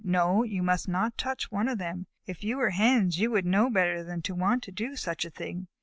"No, you must not touch one of them. If you were Hens, you would know better than to want to do such a thing.